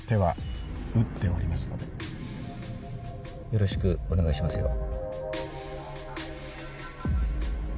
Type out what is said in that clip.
よろしくお願いしますよ。